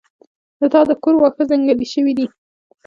د تا د کور واښه ځنګلي شوي دي